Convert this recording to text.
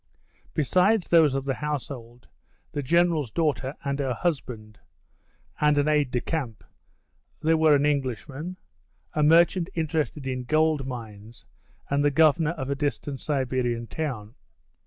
Besides those of the household, the General's daughter and her husband and an aide de camp, there were an Englishman, a merchant interested in gold mines, and the governor of a distant Siberian town.